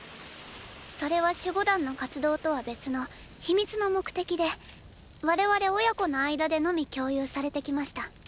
それは守護団の活動とは別のヒミツの目的で我々親子の間でのみ共有されてきました。